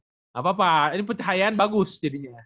nggak apa apa ini pencahayaan bagus jadinya